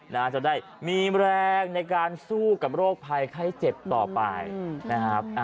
น่าจะได้มีแรงในการสู้กับโรคภัยไข้เจ็บต่อไปนะครับ